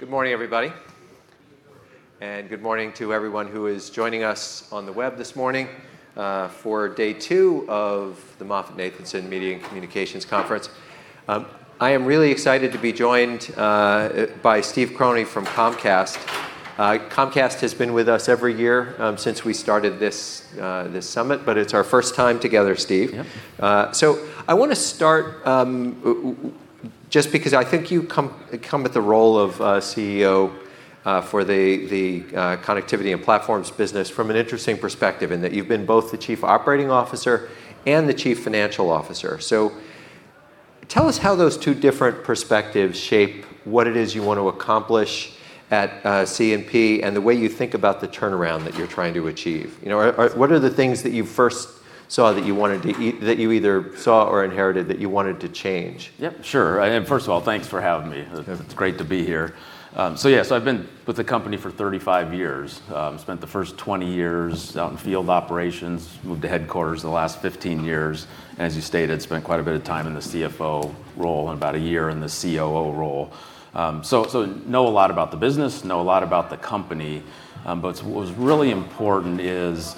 Good morning, everybody. Good morning to everyone who is joining us on the web this morning, for day two of the MoffettNathanson Media and Communications Conference. I am really excited to be joined by Steve Croney from Comcast. Comcast has been with us every year, since we started this summit, but it's our first time together, Steve. Yep. I wanna start just because I think you come with the role of CEO for the Connectivity & Platforms business from an interesting perspective in that you've been both the Chief Operating Officer and the Chief Financial Officer. Tell us how those two different perspectives shape what it is you want to accomplish at C&P, and the way you think about the turnaround that you're trying to achieve. You know, what are the things that you first saw that you wanted that you either saw or inherited that you wanted to change? Yep, sure. First of all, thanks for having me. Yeah. It's great to be here. Yeah. I've been with the company for 35 years. Spent the first 20 years out in field operations, moved to headquarters the last 15 years. As you stated, spent quite a bit of time in the CFO role and about a year in the COO role. Know a lot about the business, know a lot about the company. What was really important is,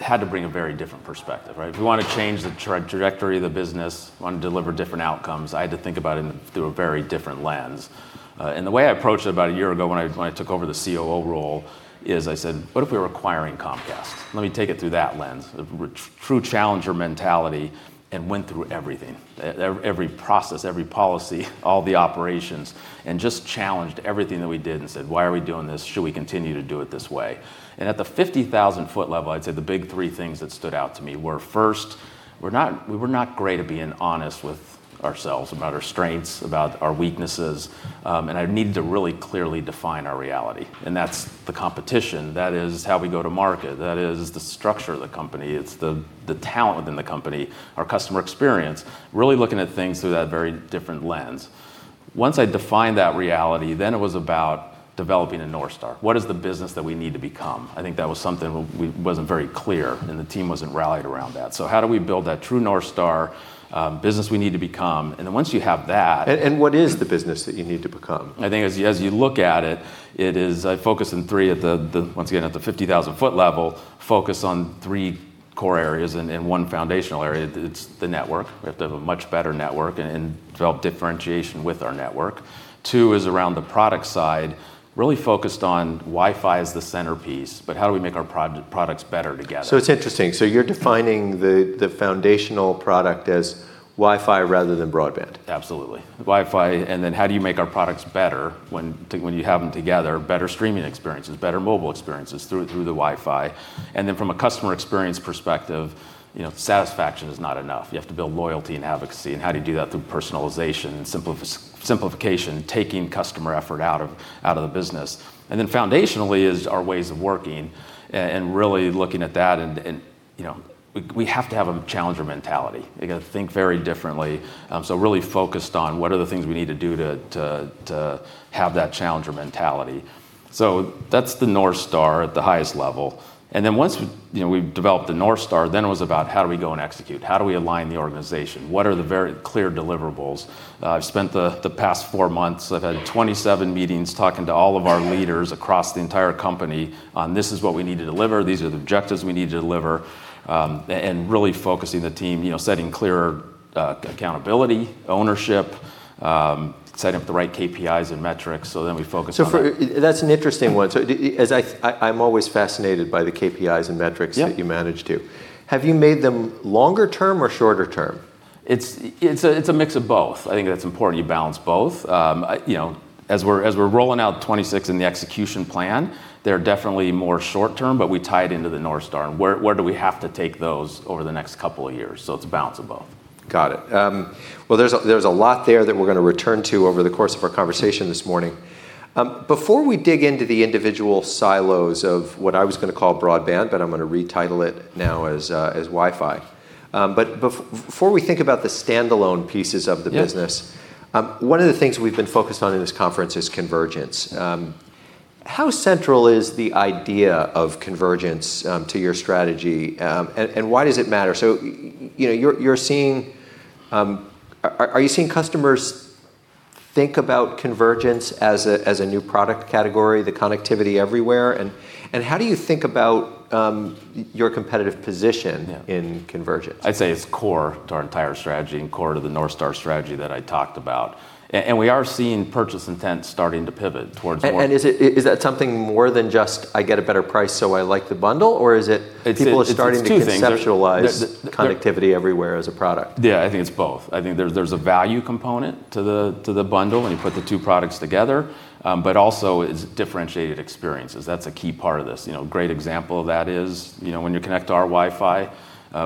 had to bring a very different perspective, right? If we wanna change the trajectory of the business, want to deliver different outcomes, I had to think about it through a very different lens. The way I approached it about a year ago when I, when I took over the COO role is I said, "What if we're acquiring Comcast?" Let me take it through that lens, true challenger mentality, and went through everything. Every process, every policy, all the operations, and just challenged everything that we did and said, "Why are we doing this? Should we continue to do it this way?" At the 50,000-foot level, I'd say the big three things that stood out to me were, first, we were not great at being honest with ourselves about our strengths, about our weaknesses. I needed to really clearly define our reality, and that's the competition. That is how we go to market. That is the structure of the company. It's the talent within the company, our customer experience, really looking at things through that very different lens. Once I defined that reality, it was about developing a North Star. What is the business that we need to become? I think that was something we wasn't very clear, the team wasn't rallied around that. How do we build that true North Star, business we need to become? What is the business that you need to become? I think as you look at it is, I focus in three of the, once again, at the 50,000-foot level, focus on three core areas and one foundational area. It's the network. We have to have a much better network and develop differentiation with our network. Two is around the product side, really focused on Wi-Fi as the centerpiece, but how do we make our products better together? It's interesting. You're defining the foundational product as Wi-Fi rather than broadband. Absolutely. Wi-Fi, how do you make our products better when you have them together? Better streaming experiences, better mobile experiences through the Wi-Fi. From a customer experience perspective, you know, satisfaction is not enough. You have to build loyalty and advocacy, how do you do that? Through personalization and simplification, taking customer effort out of the business. Foundationally is our ways of working and really looking at that, and, you know, we have to have a challenger mentality. We gotta think very differently. Really focused on what are the things we need to do to have that challenger mentality. That's the North Star at the highest level. Once we, you know, developed the North Star, it was about how do we go and execute? How do we align the organization? What are the very clear deliverables? I've spent the past four months, I've had 27 meetings talking to all of our leaders across the entire company on this is what we need to deliver, these are the objectives we need to deliver, and really focusing the team, you know, setting clear accountability, ownership, setting up the right KPIs and metrics so then we focus on that. That's an interesting one. As I'm always fascinated by the KPIs and metrics. Yeah that you manage to. Have you made them longer term or shorter term? It's a mix of both. I think that's important you balance both. you know, as we're rolling out 2026 in the execution plan, they're definitely more short term, but we tie it into the North Star, and where do we have to take those over the next couple of years? It's a balance of both. Got it. Well, there's a lot there that we're gonna return to over the course of our conversation this morning. Before we dig into the individual silos of what I was gonna call broadband, but I'm gonna retitle it now as Wi-Fi. Before we think about the standalone pieces of the business. Yeah One of the things we've been focused on in this conference is convergence. How central is the idea of convergence to your strategy? Why does it matter? You know, you're seeing. Are you seeing customers think about convergence as a new product category, the connectivity everywhere? How do you think about your competitive position... Yeah ...in convergence? I'd say it's core to our entire strategy and core to the North Star strategy that I talked about. We are seeing purchase intent starting to pivot towards more. Is that something more than just I get a better price, so I like the bundle, or is it?... It's two things. ...people are starting to conceptualize-... There. ...connectivity everywhere as a product? Yeah, I think it's both. I think there's a value component to the, to the bundle when you put the two products together. Also, it's differentiated experiences. That's a key part of this. You know, a great example of that is, you know, when you connect to our Wi-Fi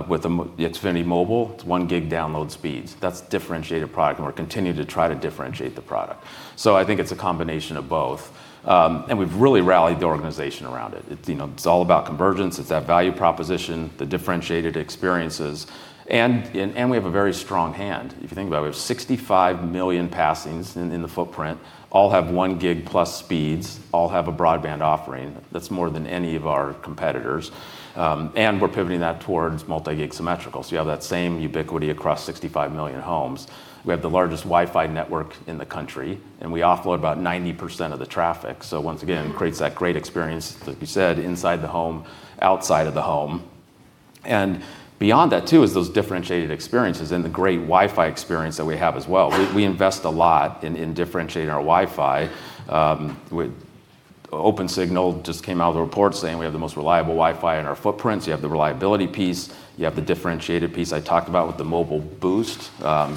with Xfinity Mobile, it's 1 gig download speeds. That's differentiated product. We're continuing to try to differentiate the product. I think it's a combination of both. We've really rallied the organization around it. It, you know, it's all about convergence. It's that value proposition, the differentiated experiences, and we have a very strong hand. If you think about it, we have 65 million passings in the footprint, all have 1 gig plus speeds, all have a broadband offering. That's more than any of our competitors. We're pivoting that towards multi-gig symmetrical. You have that same ubiquity across 65 million homes. We have the largest Wi-Fi network in the country, and we offload about 90% of the traffic. Once again, creates that great experience, like you said, inside the home, outside of the home. Beyond that too is those differentiated experiences and the great Wi-Fi experience that we have as well. We invest a lot in differentiating our Wi-Fi with, Opensignal just came out with a report saying we have the most reliable Wi-Fi in our footprints. You have the reliability piece, you have the differentiated piece I talked about with the mobile boost,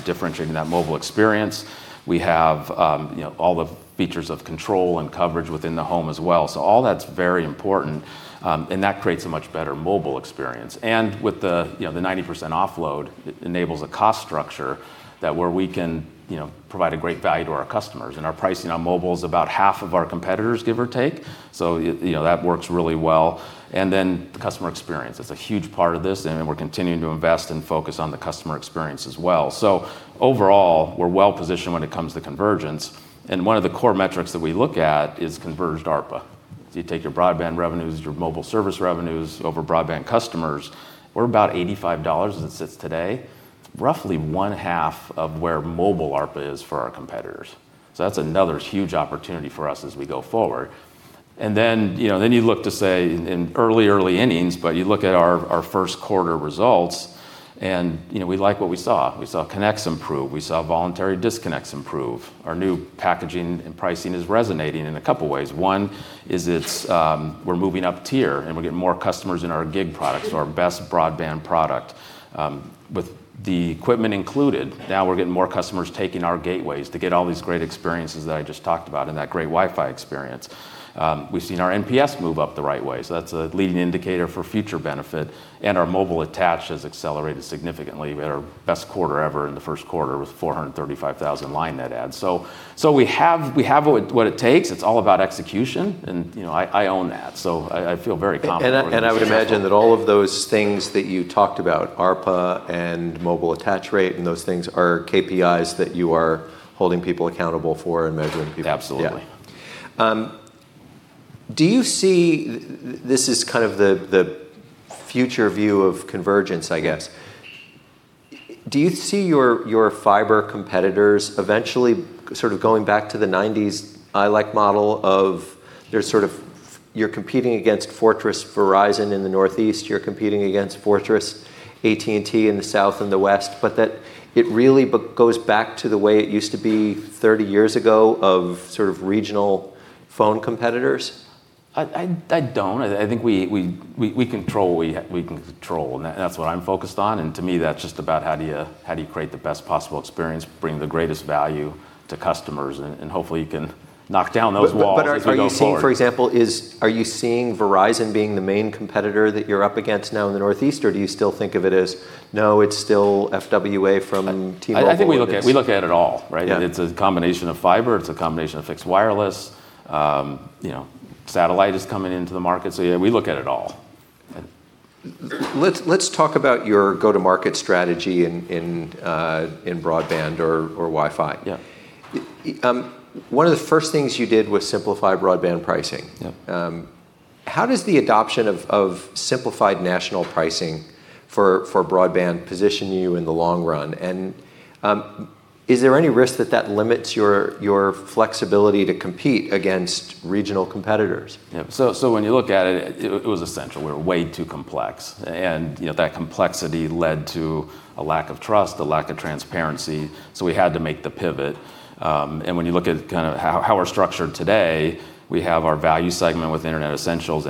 differentiating that mobile experience. We have, you know, all the features of control and coverage within the home as well. All that's very important, and that creates a much better mobile experience. With the, you know, the 90% offload, it enables a cost structure that where we can, you know, provide a great value to our customers. Our pricing on mobile is about half of our competitors', give or take, so you know, that works really well. Then the customer experience. It's a huge part of this, and we're continuing to invest and focus on the customer experience as well. Overall, we're well-positioned when it comes to convergence, and one of the core metrics that we look at is converged ARPA. You take your broadband revenues, your mobile service revenues over broadband customers. We're about $85 as it sits today. Roughly one half of where mobile ARPA is for our competitors. That's another huge opportunity for us as we go forward. Then, you know, then you look to say in early innings, you look at our first quarter results, you know, we like what we saw. We saw connects improve. We saw voluntary disconnects improve. Our new packaging and pricing is resonating in a couple ways. One is it's, we're moving up tier, and we're getting more customers in our gig products, so our best broadband product. With the equipment included, now we're getting more customers taking our gateways to get all these great experiences that I just talked about and that great Wi-Fi experience. We've seen our NPS move up the right way, so that's a leading indicator for future benefit. Our mobile attach has accelerated significantly. We had our best quarter ever in the first quarter. It was 435,000 line net adds. We have what it takes. It's all about execution, and, you know, I own that. I feel very confident where we're gonna go going forward. I would imagine that all of those things that you talked about, ARPA and mobile attach rate and those things, are KPIs that you are holding people accountable for and measuring people. Absolutely. Yeah. Do you see this is kind of the future view of convergence, I guess. Do you see your fiber competitors eventually sort of going back to the '90s ILEC model of they're sort of you're competing against fortress Verizon in the Northeast, you're competing against fortress AT&T in the South and the West, but that it really goes back to the way it used to be 30 years ago of sort of regional phone competitors? I don't. I think we control what we can control. That's what I'm focused on. To me, that's just about how do you create the best possible experience, bring the greatest value to customers? Hopefully you can knock down those walls as we go forward. Are you seeing, for example, Verizon being the main competitor that you're up against now in the Northeast, or do you still think of it as, no, it's still FWA from T-Mobile? I think we look at it all, right? Yeah. It's a combination of fiber, it's a combination of fixed wireless. You know, satellite is coming into the market. Yeah, we look at it all. Let's talk about your go-to-market strategy in broadband or Wi-Fi. Yeah. One of the first things you did was simplify broadband pricing. Yeah. How does the adoption of simplified national pricing for broadband position you in the long run? Is there any risk that limits your flexibility to compete against regional competitors? When you look at it was essential. We were way too complex. You know, that complexity led to a lack of trust, a lack of transparency, so we had to make the pivot. When you look at kind of how we're structured today, we have our value segment with Internet Essentials,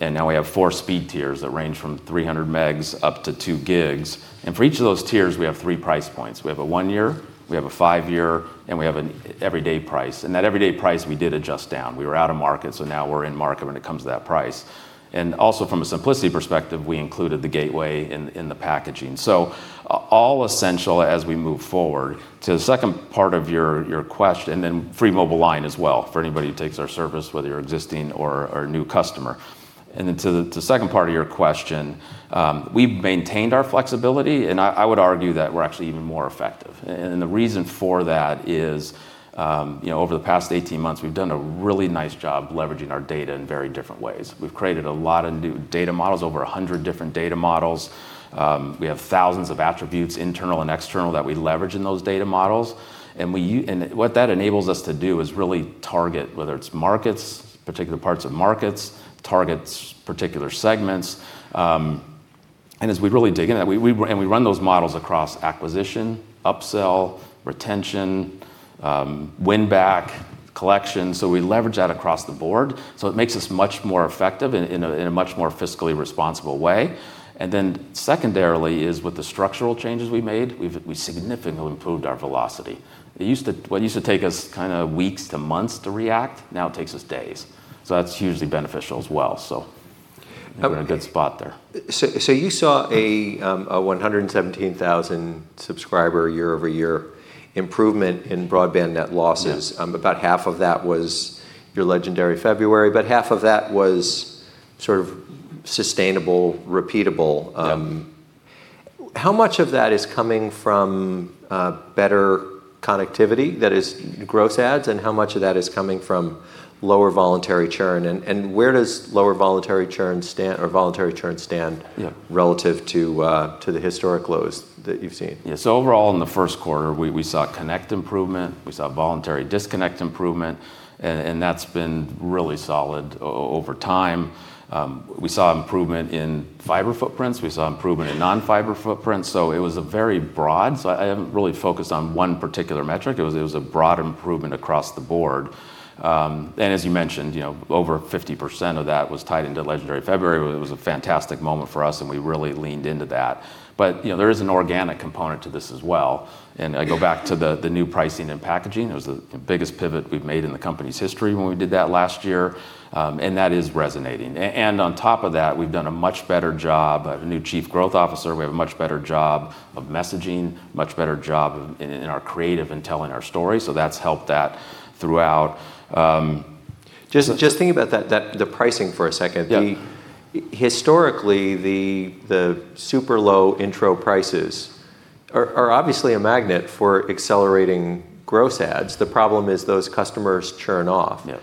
we have four speed tiers that range from 300 Mbps up to 2 Gbps. For each of those tiers, we have three price points. We have a one-year, we have a five-year, and we have an everyday price, that everyday price we did adjust down. We were out of market, now we're in market when it comes to that price. Also from a simplicity perspective, we included the gateway in the packaging. All essential as we move forward. To the second part of your question, free mobile line as well for anybody who takes our service, whether you're existing or new customer. To the second part of your question, we've maintained our flexibility, and I would argue that we're actually even more effective. The reason for that is, you know, over the past 18 months, we've done a really nice job leveraging our data in very different ways. We've created a lot of new data models, over 100 different data models. We have thousands of attributes, internal and external, that we leverage in those data models, and what that enables us to do is really target, whether it's markets, particular parts of markets, targets particular segments. As we really dig into that, we run those models across acquisition, upsell, retention, win back, collection. We leverage that across the board, so it makes us much more effective in a much more fiscally responsible way. Secondarily is with the structural changes we made, we've significantly improved our velocity. What used to take us kind of weeks to months to react now takes us days, so that's hugely beneficial as well. We're in a good spot there. You saw a 117,000 subscriber year-over-year improvement in broadband net losses. Yeah. About half of that was your Legendary February, but half of that was sort of sustainable, repeatable. Yeah. How much of that is coming from connectivity that is gross adds and how much of that is coming from lower voluntary churn? Where does lower voluntary churn stand, or voluntary churn stand? Yeah relative to the historic lows that you've seen? Overall in the first quarter, we saw connect improvement, we saw voluntary disconnect improvement and that's been really solid over time. We saw improvement in fiber footprints, we saw improvement in non-fiber footprints. I haven't really focused on one particular metric. It was a broad improvement across the board. As you mentioned, you know, over 50% of that was tied into Legendary February, where it was a fantastic moment for us, and we really leaned into that. You know, there is an organic component to this as well. I go back to the new pricing and packaging. It was the biggest pivot we've made in the company's history when we did that last year. That is resonating. On top of that, we've done a much better job. A new chief growth officer. We have a much better job of messaging, much better job of in our creative and telling our story. That's helped that throughout. Just think about that, the pricing for a second. Yeah. Historically, the super low intro prices are obviously a magnet for accelerating gross adds. The problem is those customers churn off. Yeah.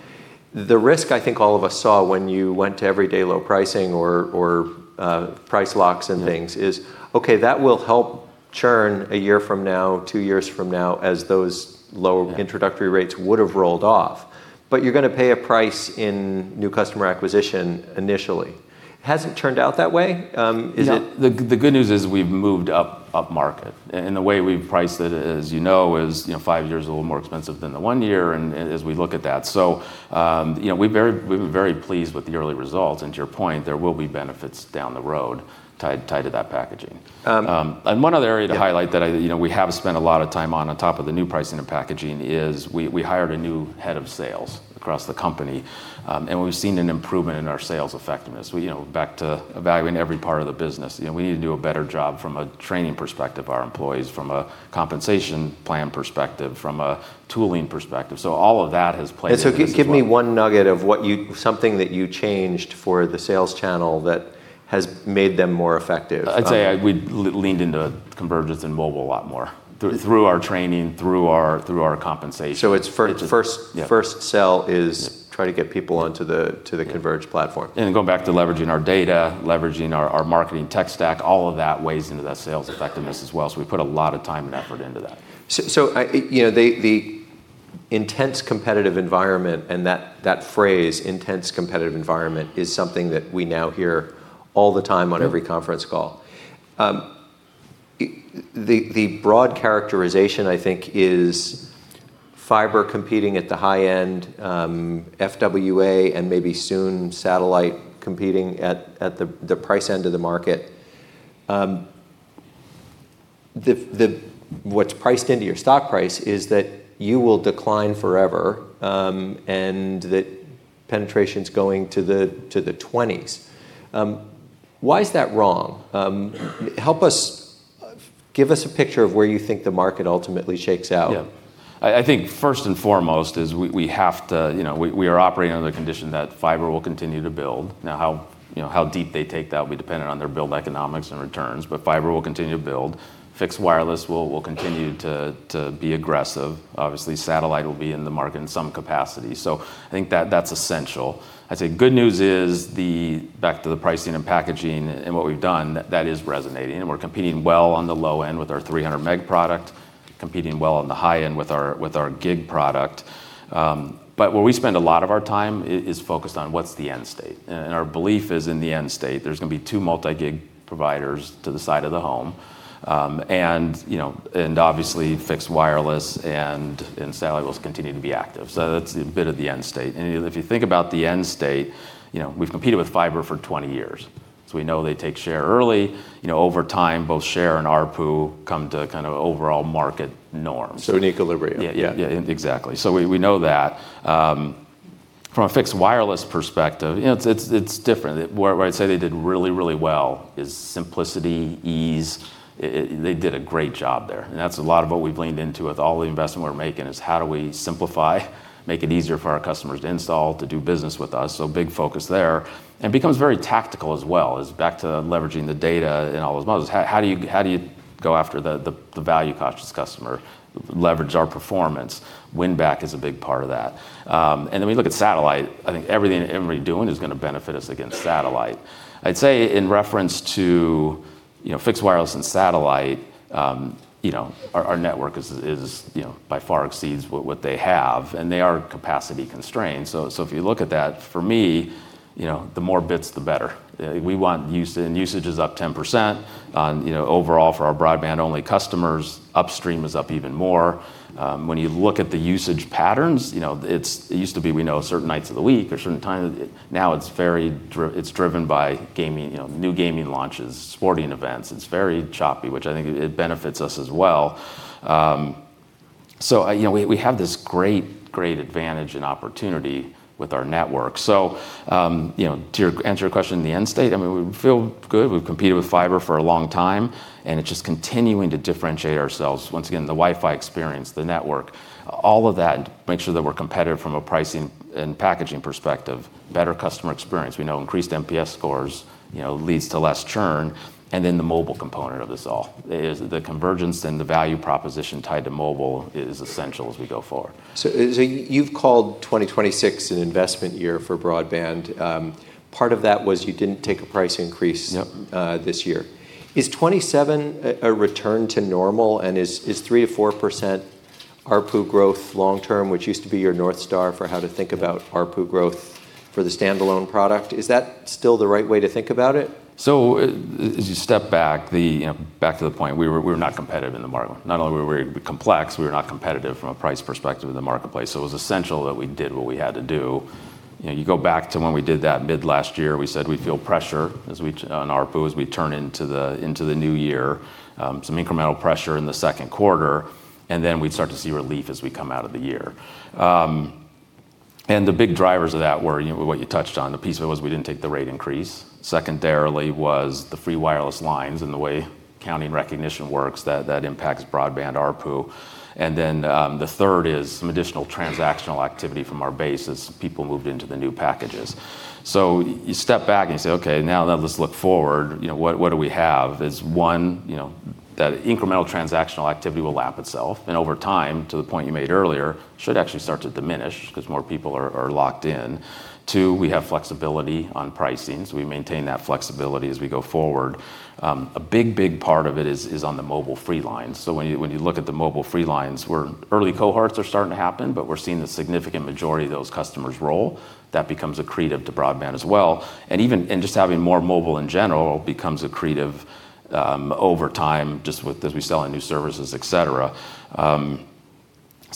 The risk I think all of us saw when you went to everyday low pricing or, price locks and things. is, okay, that will help churn a year from now, two years from now, as those low- Yeah introductory rates would've rolled off. You're going to pay a price in new customer acquisition initially. Has it turned out that way? No. The good news is we've moved up market. The way we've priced it, as you know, is, you know, five-year is a little more expensive than the one-year and as we look at that. You know, we've been very pleased with the early results. To your point, there will be benefits down the road tied to that packaging. Um, and one other area- Yeah to highlight that I, you know, we have spent a lot of time on top of the new pricing and packaging is we hired a new head of sales across the company. We've seen an improvement in our sales effectiveness. We, you know, back to evaluating every part of the business. You know, we need to do a better job from a training perspective, our employees from a compensation plan perspective, from a tooling perspective. All of that has played into this as well. Give me one nugget of something that you changed for the sales channel that has made them more effective. I'd say we leaned into convergence and mobile a lot more through our training, through our compensation. So it's fir- It's- first- Yeah First sell Yeah Try to get people onto the Yeah Converge platform. Going back to leveraging our data, leveraging our marketing tech stack, all of that weighs into that sales effectiveness as well. We put a lot of time and effort into that. I, you know, the intense competitive environment and that phrase, intense competitive environment, is something that we now hear all the time on every conference call. The broad characterization I think is fiber competing at the high end, FWA and maybe soon satellite competing at the price end of the market. The... What's priced into your stock price is that you will decline forever, and that penetration's going to the 20s. Why is that wrong? Help us. Give us a picture of where you think the market ultimately shakes out. Yeah. I think first and foremost is we have to, you know, we are operating under the condition that fiber will continue to build. Now how, you know, how deep they take that will be dependent on their build economics and returns. Fiber will continue to build. Fixed wireless will continue to be aggressive. Obviously satellite will be in the market in some capacity. I think that's essential. I'd say good news is back to the pricing and packaging and what we've done, that is resonating and we're competing well on the low end with our 300 meg product. Competing well on the high end with our gig product. Where we spend a lot of our time is focused on what's the end state, and our belief is in the end state. There's gonna be two multi-gig providers to the side of the home. And, you know, and obviously fixed wireless and satellite will continue to be active. That's a bit of the end state. If you think about the end state, you know, we've competed with fiber for 20 years. We know they take share early. You know, over time both share and ARPU come to kind of overall market norms. An equilibrium. Yeah. Yeah. Yeah, exactly. We know that. From a fixed wireless perspective, you know, it's different. Where I'd say they did really well is simplicity, ease. They did a great job there, and that's a lot of what we've leaned into with all the investment we're making, is how do we simplify, make it easier for our customers to install, to do business with us. Big focus there. Becomes very tactical as well, is back to leveraging the data in all those models. How do you go after the value-conscious customer? Leverage our performance. Win back is a big part of that. Then we look at satellite. I think everything that Emery doing is gonna benefit us against satellite. I'd say in reference to, you know, fixed wireless and satellite, you know, our network is, you know, by far exceeds what they have, and they are capacity constrained. If you look at that, for me, you know, the more bits the better. We want usage is up 10% on, you know, overall for our broadband-only customers. Upstream is up even more. When you look at the usage patterns, you know, it used to be we know certain nights of the week or certain times. Now it's very driven by gaming, you know, new gaming launches, sporting events. It's very choppy, which I think it benefits us as well. You know, we have this great advantage and opportunity with our network. You know, to answer your question in the end state, I mean, we feel good. We've competed with fiber for a long time, it's just continuing to differentiate ourselves. Once again, the Wi-Fi experience, the network, all of that, make sure that we're competitive from a pricing and packaging perspective. Better customer experience. We know increased NPS scores, you know, leads to less churn, the mobile component of this all. Is the convergence and the value proposition tied to mobile is essential as we go forward. You've called 2026 an investment year for broadband. Part of that was you didn't take a price increase. Nope This year. Is 27 a return to normal? Is 3% or 4% ARPU growth long term, which used to be your North Star for how to think about ARPU growth for the standalone product? Is that still the right way to think about it? As you step back, you know, back to the point, we were not competitive in the market. Not only were we complex, we were not competitive from a price perspective in the marketplace, so it was essential that we did what we had to do. You know, you go back to when we did that mid-last year, we said we'd feel pressure on ARPU as we turn into the new year, some incremental pressure in the second quarter, and then we'd start to see relief as we come out of the year. The big drivers of that were, you know, what you touched on. A piece of it was we didn't take the rate increase. Secondarily was the free wireless lines and the way counting recognition works, that impacts broadband ARPU. The third is some additional transactional activity from our base as people moved into the new packages. You step back and you say, "Okay, now let's look forward. You know, what do we have?" Is one, you know, that incremental transactional activity will lap itself, and over time, to the point you made earlier, should actually start to diminish because more people are locked in. Two, we have flexibility on pricing, so we maintain that flexibility as we go forward. A big part of it is on the mobile free line. When you look at the mobile free lines, early cohorts are starting to happen, but we're seeing the significant majority of those customers roll. That becomes accretive to broadband as well. Just having more mobile in general becomes accretive over time, just with, as we sell in new services, et cetera.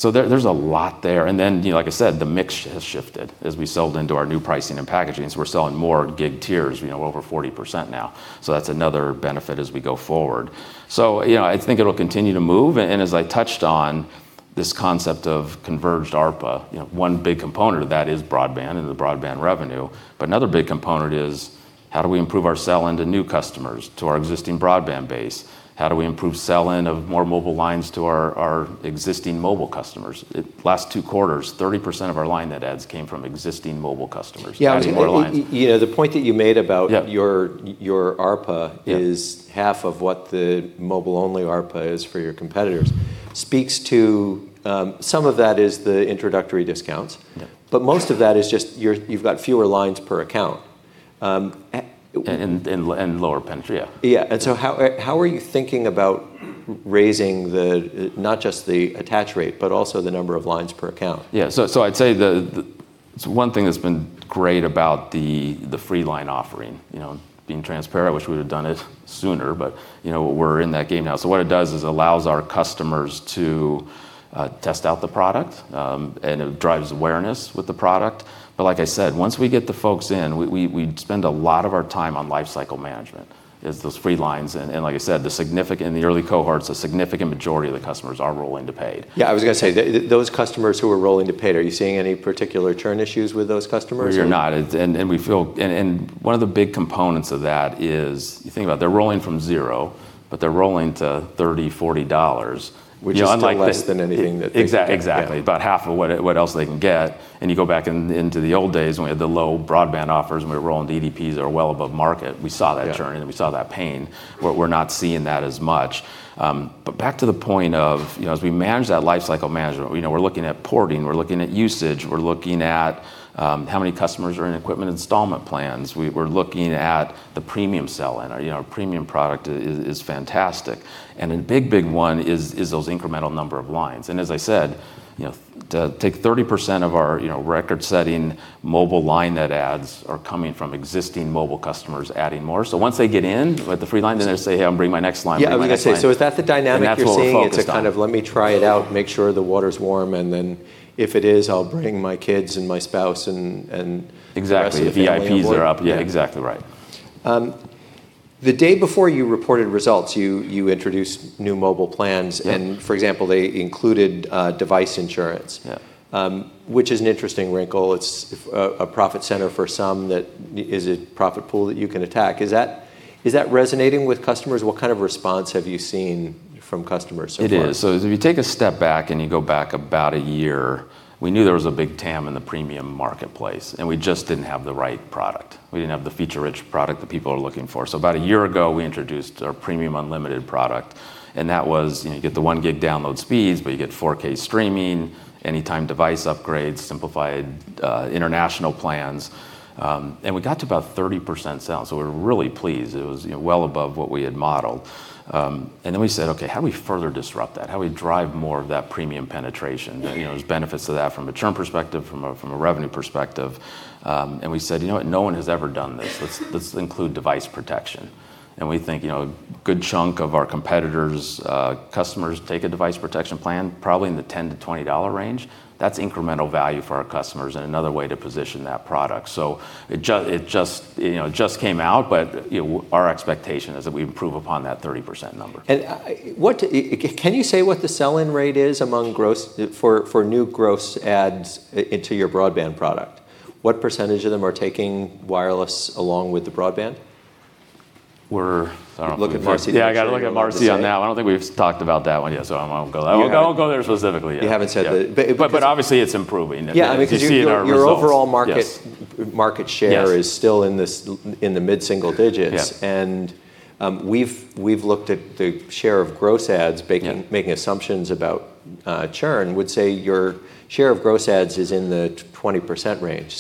There, there's a lot there. Then, you know, like I said, the mix has shifted as we sold into our new pricing and packaging. We're selling more gig tiers, you know, over 40% now. That's another benefit as we go forward. You know, I think it'll continue to move. As I touched on this concept of converged ARPA, you know, one big component of that is broadband and the broadband revenue. Another big component is how do we improve our sell into new customers, to our existing broadband base? How do we improve sell in of more mobile lines to our existing mobile customers? Last two quarters, 30% of our line that adds came from existing mobile customers. Yeah. Adding more lines. You know, the point that you made. Yeah Your ARPA is half of what the mobile-only ARPA is for your competitors speaks to, some of that is the introductory discounts. Yeah. Most of that is just you've got fewer lines per account. Lower penetra. Yeah. How are you thinking about raising the, not just the attach rate, but also the number of lines per account? I'd say the one thing that's been great about the free line offering, you know, being transparent, I wish we would have done it sooner, but you know, we're in that game now. What it does is allows our customers to test out the product and it drives awareness with the product. Like I said, once we get the folks in, we spend a lot of our time on lifecycle management. Is those free lines and like I said, the early cohorts, a significant majority of the customers are rolling to paid. Yeah, I was gonna say, those customers who are rolling to paid, are you seeing any particular churn issues with those customers or-? We are not. We feel one of the big components of that is, you think about they're rolling from zero, but they're rolling to $30, $40, which is still less- Which is still less than anything. Exactly. About half of what else they can get. You go back into the old days when we had the low broadband offers and we were rolling EDPs that are well above market. We saw that churn. Yeah We saw that pain. We're not seeing that as much. Back to the point of, you know, as we manage that lifecycle management, you know, we're looking at porting, we're looking at usage, we're looking at how many customers are in equipment installment plans. We're looking at the premium sell-in. You know, our premium product is fantastic. A big one is those incremental number of lines. As I said, you know, to take 30% of our, you know, record-setting mobile line net adds are coming from existing mobile customers adding more. Once they get in with the free line, they say, "Hey, I'm bring my next line. Yeah, I was gonna say. Bring my next line. Is that the dynamic you're seeing? That's what we're focused on. It's a kind of let me try it out, make sure the water's warm, and then if it is, I'll bring my kids and my spouse. Exactly The rest of the family aboard. The VIPs are up. Yeah, exactly right. The day before you reported results, you introduced new mobile plans. Yeah. For example, they included device insurance. Yeah. Which is an interesting wrinkle. It's a profit center for some that is a profit pool that you can attack. Is that, is that resonating with customers? What kind of response have you seen from customers so far? It is. If you take a step back and you go back about a year, we knew there was a big TAM in the premium marketplace, and we just didn't have the right product. We didn't have the feature-rich product that people are looking for. About a year ago, we introduced our premium unlimited product, and that was, you know, you get the 1 gig download speeds, but you get 4K streaming, anytime device upgrades, simplified international plans. We got to about 30% sales, so we're really pleased. It was, you know, well above what we had modeled. Then we said, "Okay, how do we further disrupt that? How do we drive more of that premium penetration?" You know, there's benefits to that from a churn perspective, from a revenue perspective. We said, "You know what? No one has ever done this. Let's include device protection. We think, you know, a good chunk of our competitors' customers take a device protection plan, probably in the $10-$20 range. That's incremental value for our customers and another way to position that product. It just, you know, just came out, but, you know, our expectation is that we improve upon that 30% number. Can you say what the sell-in rate is for new gross adds into your broadband product? What percentage of them are taking wireless along with the broadband? I don't know. Look at Marcy. Yeah, I gotta look at Marcy on that one. What you have to say. I don't think we've talked about that one yet, so I won't, I won't go there. Okay. I won't go there specifically yet. You haven't said the But. Obviously it's improving. Yeah. If you see in our results Your overall market-... Yes ...market share... Yes ...is still in this in the mid-single digits... Yeah. ...we've looked at the share of gross ads... Yeah ...making assumptions about churn, would say your share of gross ads is in the 20% range.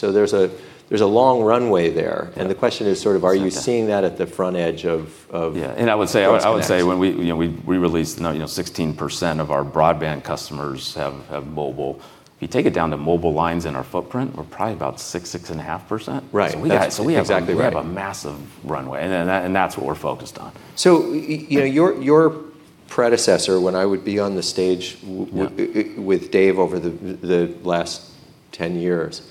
There's a long runway there. Yeah. The question is. It's not that. Are you seeing that at the front edge of? Yeah, and I would say- What's next? I would say when we, you know, we released, you know, 16% of our broadband customers have mobile. If you take it down to mobile lines in our footprint, we're probably about 6 and a half percent. Right. We have. That's exactly right. we have a massive runway. That's what we're focused on. So y- y- you know- But- your predecessor, when I would be on the stage. Yeah it with Dave over the last 10 years,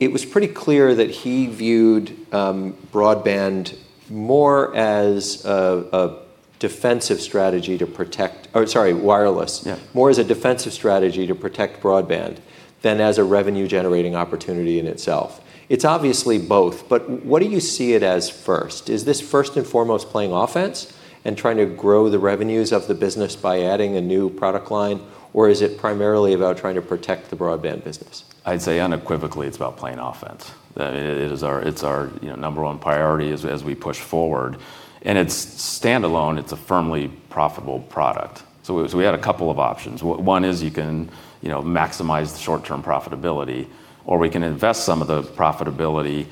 it was pretty clear that he viewed broadband more as a defensive strategy to protect or sorry, wireless. Yeah. More as a defensive strategy to protect broadband than as a revenue-generating opportunity in itself. It's obviously both, but what do you see it as first? Is this first and foremost playing offense and trying to grow the revenues of the business by adding a new product line, or is it primarily about trying to protect the broadband business? I'd say unequivocally it's about playing offense. It is our, you know, number one priority as we push forward. It's standalone, it's a firmly profitable product. We had a couple of options. One is you can, you know, maximize the short-term profitability, or we can invest some of the profitability,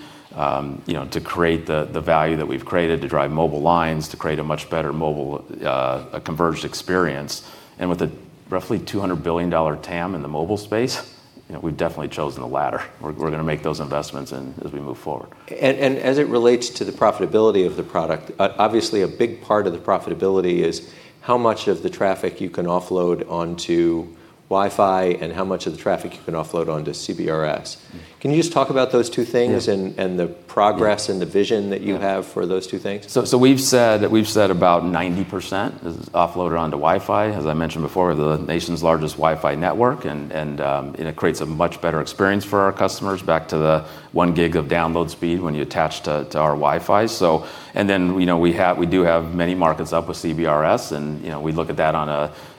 you know, to create the value that we've created to drive mobile lines, to create a much better mobile, a converged experience. With a roughly $200 billion TAM in the mobile space, you know, we've definitely chosen the latter. We're gonna make those investments and as we move forward. As it relates to the profitability of the product, obviously a big part of the profitability is how much of the traffic you can offload onto Wi-Fi and how much of the traffic you can offload onto CBRS. Can you just talk about those two things? Yeah and the progress- Yeah The vision that Yeah have for those two things? We've said about 90% is offloaded onto Wi-Fi. As I mentioned before, the nation's largest Wi-Fi network and it creates a much better experience for our customers, back to the 1 gig of download speed when you attach to our Wi-Fi. We do have many markets up with CBRS and we look at that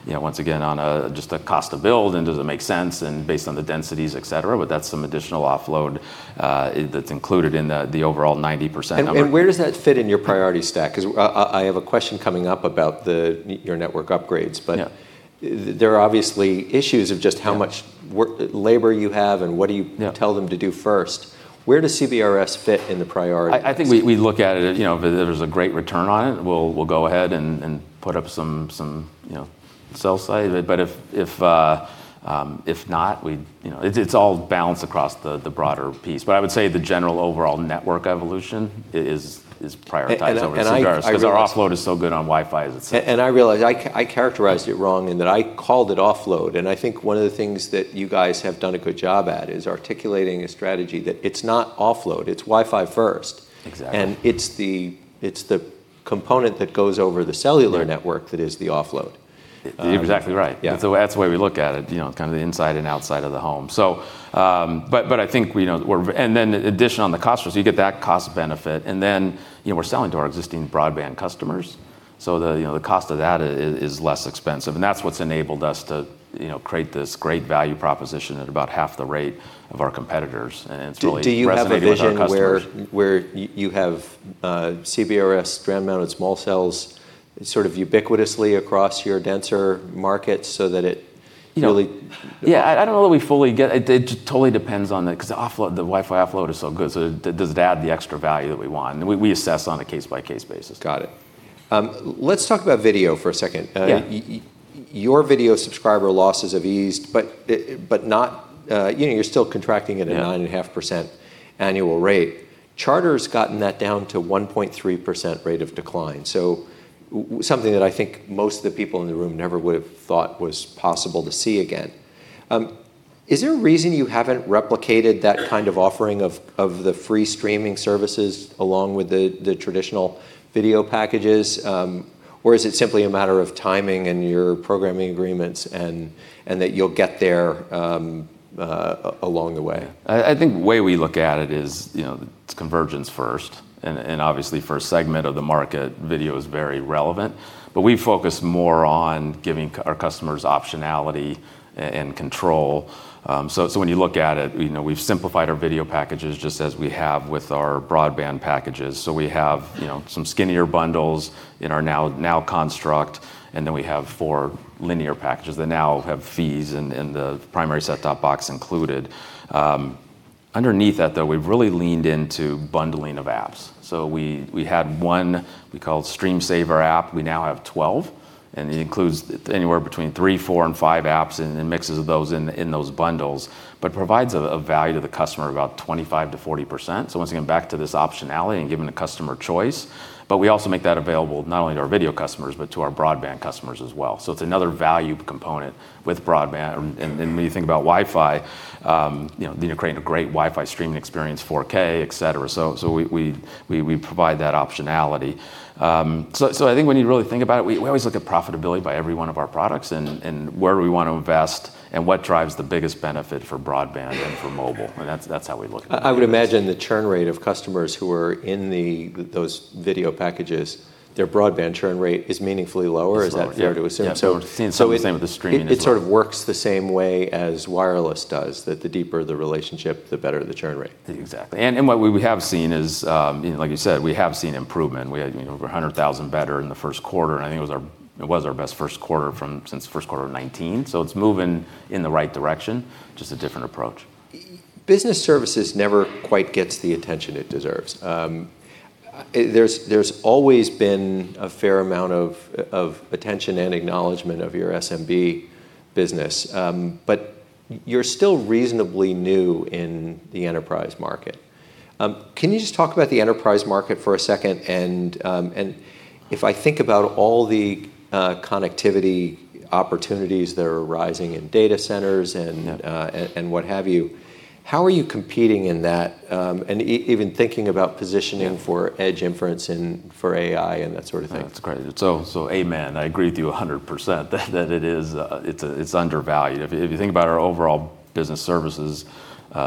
once again, on a just a cost to build and does it make sense and based on the densities, et cetera. That's some additional offload that's included in the overall 90% number. Where does that fit in your priority stack? 'Cause I have a question coming up about your network upgrades. Yeah. But there are obviously issues of just how much- Yeah work, labor you have and what do you- Yeah tell them to do first. Where does CBRS fit in the priorities? I think we look at it, you know, if there's a great return on it, we'll go ahead and put up some, you know, cell site. If, if not, we, you know It's all balanced across the broader piece. I would say the general overall network evolution is prioritized over the CBRS. And I, and I realize- 'cause our offload is so good on Wi-Fi as it sits. I realize I characterized it wrong in that I called it offload, and I think one of the things that you guys have done a good job at is articulating a strategy that it's not offload, it's Wi-Fi first. Exactly. It's the component that goes over the cellular. Yeah network that is the offload. You're exactly right. Yeah. That's the way we look at it, you know, kind of the inside and outside of the home. I think we, you know, we're And then addition on the cost, so you get that cost benefit. You know, we're selling to our existing broadband customers, so the cost of that is less expensive. That's what's enabled us to, you know, create this great value proposition at about half the rate of our competitors. Do you have a vision? resonating with our customers. where you have CBRS strand mounted small cells sort of ubiquitously across your denser markets. You know, yeah, I don't know that we fully get it. It totally depends on the 'Cause the offload, the Wi-Fi offload is so good, so does it add the extra value that we want? We assess on a case by case basis. Got it. Let's talk about video for a second. Yeah. Your video subscriber losses have eased, but not, you know, you're still contracting. Yeah 9.5% annual rate. Charter's gotten that down to 1.3% rate of decline, something that I think most of the people in the room never would have thought was possible to see again. Is there a reason you haven't replicated that kind of offering of the free streaming services along with the traditional video packages? Is it simply a matter of timing and your programming agreements and that you'll get there along the way? I think the way we look at it is, you know, it's convergence first. Obviously for a segment of the market, video is very relevant, we focus more on giving our customers optionality and control. When you look at it, you know, we've simplified our video packages just as we have with our broadband packages. We have, you know, some skinnier bundles in our now construct, we have four linear packages that now have fees and the primary set-top box included. Underneath that though, we've really leaned into bundling of apps. We had one we called StreamSaver app, we now have 12, and it includes anywhere between three, four, and five apps, and mixes of those in those bundles, but provides a value to the customer of about 25%-40%. Once again, back to this optionality and giving the customer choice, but we also make that available not only to our video customers, but to our broadband customers as well. It's another value component. With broadband. When you think about Wi-Fi, you know, you're creating a great Wi-Fi streaming experience, 4K, et cetera. We provide that optionality. I think when you really think about it, we always look at profitability by every one of our products and where we want to invest and what drives the biggest benefit for broadband and for mobile. That's how we look at it. I would imagine the churn rate of customers who are in those video packages, their broadband churn rate is meaningfully lower. It's lower, yeah. is that fair to assume? Yeah. So- Same with the streaming as well. It sort of works the same way as wireless does, that the deeper the relationship, the better the churn rate. Exactly. What we have seen is, you know, like you said, we have seen improvement. We had, you know, over 100,000 better in the first quarter, and I think it was our best first quarter from since the first quarter of 2019. It's moving in the right direction, just a different approach. Business services never quite gets the attention it deserves. There's always been a fair amount of attention and acknowledgement of your SMB business. But you're still reasonably new in the enterprise market. Can you just talk about the enterprise market for a second, if I think about all the connectivity opportunities that are rising in data centers. Yeah What have you, how are you competing in that, and even thinking about positioning. Yeah for edge inference and for AI and that sort of thing? That's great. Amen. I agree with you 100% that it is, it's undervalued. If you think about our overall business services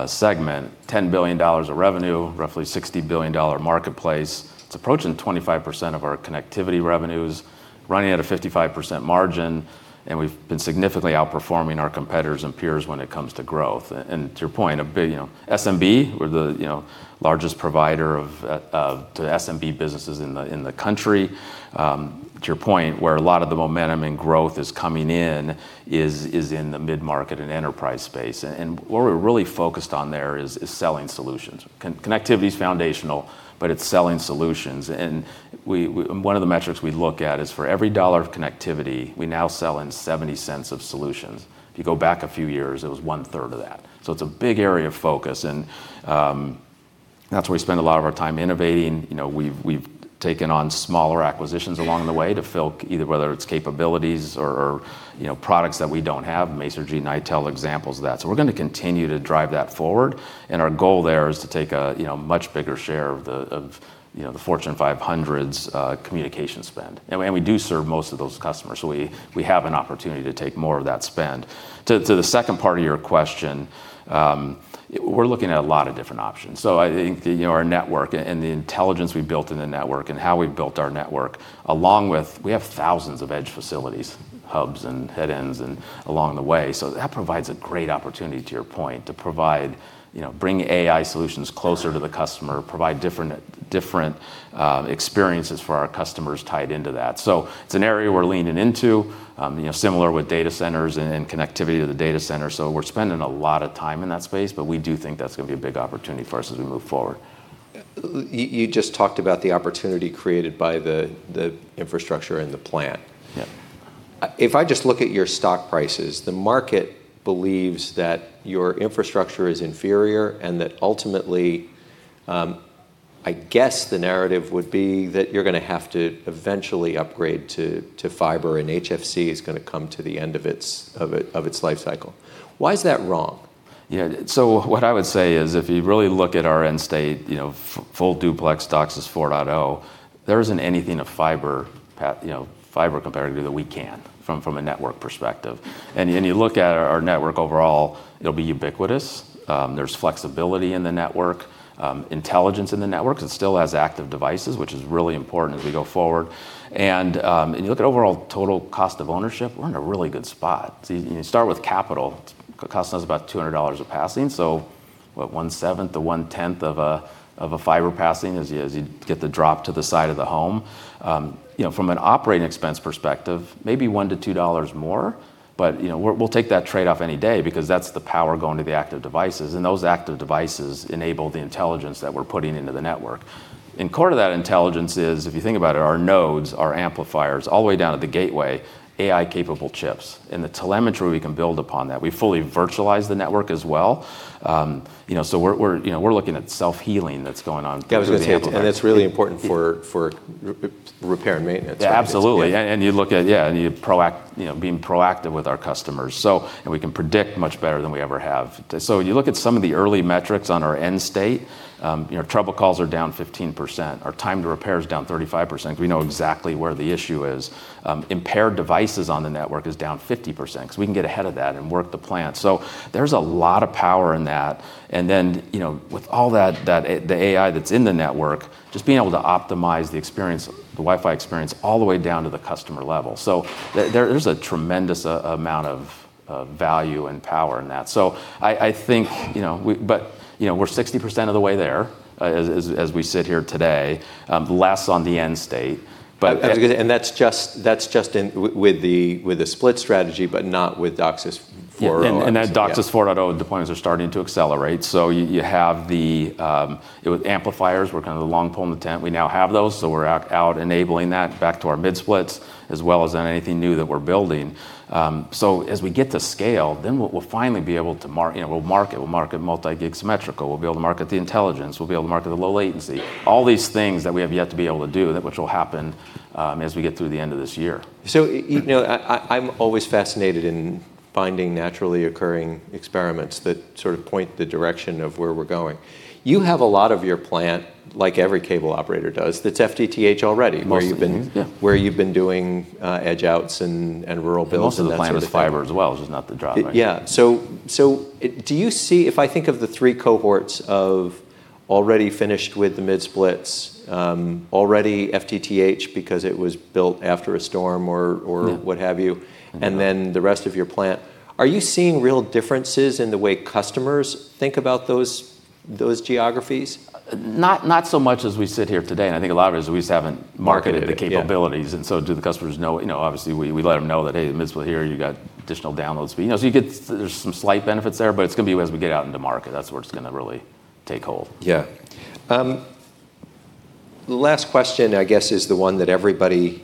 segment, $10 billion of revenue, roughly $60 billion marketplace, it's approaching 25% of our connectivity revenues, running at a 55% margin, and we've been significantly outperforming our competitors and peers when it comes to growth. To your point, a big, you know, SMB, we're the, you know, largest provider of, to SMB businesses in the country. To your point, where a lot of the momentum and growth is coming in is in the mid-market and enterprise space. What we're really focused on there is selling solutions. Connectivity's foundational, but it's selling solutions. One of the metrics we look at is for every $1 of connectivity, we now sell in $0.70 of solutions. If you go back a few years, it was 1/3 of that. It's a big area of focus, and that's where we spend a lot of our time innovating. You know, we've taken on smaller acquisitions along the way to fill either whether it's capabilities or, you know, products that we don't have. Masergy and Nitel are examples of that. We're gonna continue to drive that forward, and our goal there is to take a, you know, much bigger share of the, of, you know, the Fortune 500's communication spend. We do serve most of those customers. We have an opportunity to take more of that spend. To the second part of your question, we're looking at a lot of different options. I think the, you know, our network and the intelligence we built in the network and how we built our network, along with, we have thousands of edge facilities, hubs and headends and along the way. That provides a great opportunity, to your point, to provide, you know, bring AI solutions closer to the customer, provide different experiences for our customers tied into that. It's an area we're leaning into, you know, similar with data centers and connectivity to the data center. We're spending a lot of time in that space, but we do think that's gonna be a big opportunity for us as we move forward. You just talked about the opportunity created by the infrastructure and the plan. Yeah. If I just look at your stock prices, the market believes that your infrastructure is inferior and that ultimately, I guess the narrative would be that you're gonna have to eventually upgrade to fiber, and HFC is gonna come to the end of its life cycle. Why is that wrong? Yeah. What I would say is if you really look at our end state, you know, full duplex DOCSIS 4.0, there isn't anything a fiber path, you know, fiber competitive that we can't from a network perspective. You look at our network overall, it'll be ubiquitous. There's flexibility in the network, intelligence in the network. It still has active devices, which is really important as we go forward. You look at overall total cost of ownership, we're in a really good spot. You start with capital. Cost is about $200 a passing, 1/7 to 1/10 of a fiber passing as you get the drop to the side of the home. You know, from an OpEx perspective, maybe $1-$2 more, but, you know, we'll take that trade-off any day because that's the power going to the active devices, and those active devices enable the intelligence that we're putting into the network. Core to that intelligence is, if you think about it, our nodes, our amplifiers, all the way down to the gateway, AI-capable chips. The telemetry we can build upon that. We fully virtualize the network as well. You know, we're, you know, we're looking at self-healing that's going on through the amplifier. Yeah, I was gonna say, that's really important for repair and maintenance, right? Yeah, absolutely. Yeah. You look at, yeah, you know, being proactive with our customers. We can predict much better than we ever have. You look at some of the early metrics on our end state, you know, trouble calls are down 15%. Our time to repair is down 35%. We know exactly where the issue is. Impaired devices on the network is down 50%, 'cause we can get ahead of that and work the plan. There's a lot of power in that. You know, with all that, the AI that's in the network, just being able to optimize the experience, the Wi-Fi experience all the way down to the customer level. There is a tremendous amount of value and power in that. I think, you know, we're 60% of the way there as we sit here today, less on the end state. That's just in, with the, with the split strategy, but not with DOCSIS. Yeah, that DOCSIS 4.0 deployments are starting to accelerate. You have the. With amplifiers we're kind of the long pole in the tent. We now have those, we're out enabling that back to our mid-splits, as well as on anything new that we're building. As we get to scale, we'll finally be able to you know, we'll market multi-gig symmetrical. We'll be able to market the intelligence. We'll be able to market the low latency. All these things that we have yet to be able to do that, which will happen, as we get through the end of this year. You know, I'm always fascinated in finding naturally occurring experiments that sort of point the direction of where we're going. You have a lot of your plant, like every cable operator does, that's FTTH already. Most of them, yeah. Where you've been doing edge outs and rural builds and that sort of thing. Most of the plant is fiber as well, it's just not the drop right now. Yeah. Do you see, if I think of the three cohorts of already finished with the mid-splits, already FTTH because it was built after a storm or what have you. Yeah. Mm-hmm. The rest of your plant, are you seeing real differences in the way customers think about those geographies? Not so much as we sit here today, and I think a lot of it is we just haven't marketed the capabilities. Marketed it, yeah. Do the customers know? You know, obviously we let them know that, hey, the mid-splits here, you got additional downloads. You know, so you get there's some slight benefits there, but it's gonna be as we get out into market, that's where it's gonna really take hold. Yeah. Last question, I guess, is the one that everybody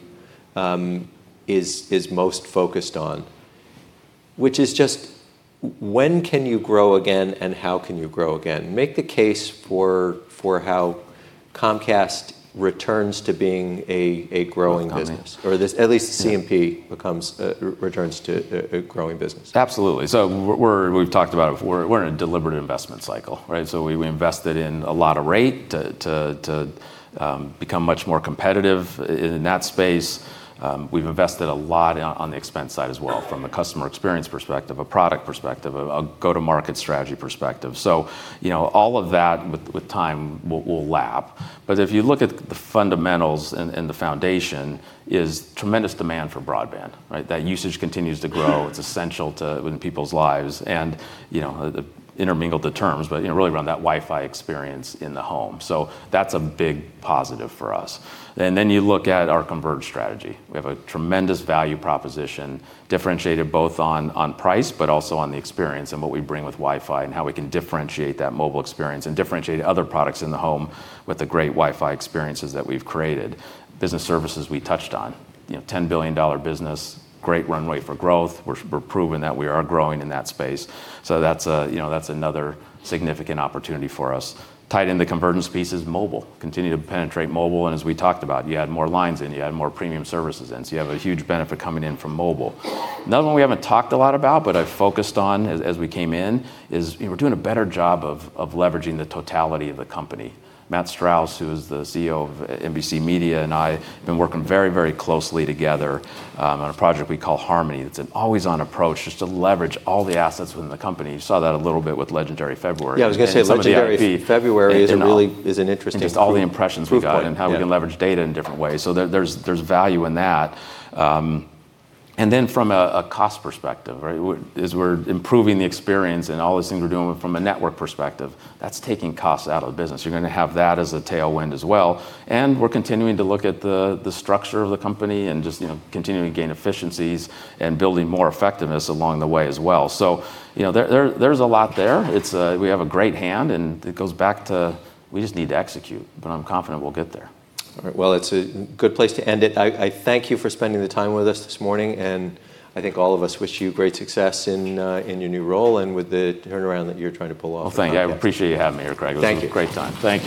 is most focused on, which is just when can you grow again, and how can you grow again? Make the case for how Comcast returns to being a growing business. A growth company. This, at least C&P becomes, returns to a growing business. Absolutely. We've talked about it. We're in a deliberate investment cycle, right? We invested in a lot of rate to become much more competitive in that space. We've invested a lot on the expense side as well, from a customer experience perspective, a product perspective, a go to market strategy perspective. You know, all of that with time we'll lap. If you look at the fundamentals and the foundation, is tremendous demand for broadband, right? That usage continues to grow. Yeah. It's essential in people's lives. You know, intermingle the terms, but, you know, really around that Wi-Fi experience in the home. That's a big positive for us. You look at our converged strategy. We have a tremendous value proposition, differentiated both on price, but also on the experience and what we bring with Wi-Fi, and how we can differentiate that mobile experience and differentiate other products in the home with the great Wi-Fi experiences that we've created. Business services we touched on. You know, $10 billion business, great runway for growth. We're proving that we are growing in that space, that's a, you know, that's another significant opportunity for us. Tied into convergence piece is mobile. Continue to penetrate mobile. As we talked about, you add more lines in, you add more premium services in, you have a huge benefit coming in from mobile. Another one we haven't talked a lot about, I've focused on as we came in, is, you know, we're doing a better job of leveraging the totality of the company. Matt Strauss, who is the CEO of NBC Media, I have been working very, very closely together on Project Harmony. It's an always-on approach just to leverage all the assets within the company. You saw that a little bit with Legendary February. Yeah, I was gonna say. And some of the IP- Legendary February is a. You know. Is an interesting proof point, yeah. It takes all the impressions we got and how we can leverage data in different ways. There's value in that. From a cost perspective, right? As we're improving the experience and all these things we're doing from a network perspective, that's taking costs out of the business. You're gonna have that as a tailwind as well, and we're continuing to look at the structure of the company and just, you know, continuing to gain efficiencies and building more effectiveness along the way as well. You know, there's a lot there. It's, we have a great hand and it goes back to we just need to execute, but I'm confident we'll get there. All right. Well, it's a good place to end it. I thank you for spending the time with us this morning. I think all of us wish you great success in your new role and with the turnaround that you're trying to pull off at Comcast. Well, thank you. I appreciate you having me here, Craig. Thank you. This was a great time. Thank you.